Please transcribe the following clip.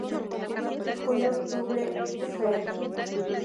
Junio-octubre, fr.